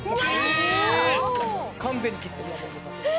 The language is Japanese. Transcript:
完全に切ってます。